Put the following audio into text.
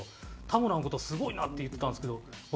田村の事「すごいな」って言ってたんですけど